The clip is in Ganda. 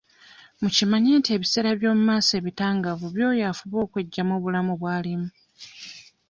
Mukimanye nti ebiseera by'omumaaso ebitangaavu by'oyo afuba okweggya mu bulamu bw'alimu.